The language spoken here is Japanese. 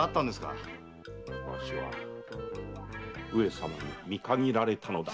わしは上様に見限られたのだ。